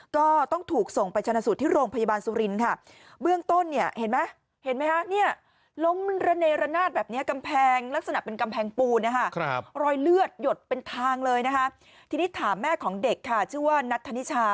ก็ต้องถูกส่งไปชนสุทธิ์ที่โรงพยาบาลสุรินทร์